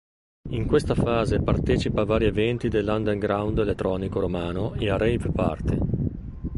In questa fase partecipa a vari eventi dell’underground elettronico romano e a rave party.